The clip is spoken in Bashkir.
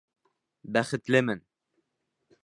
Бәхетлемен.